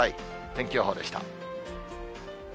天気予報でした。